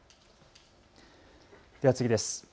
では次です。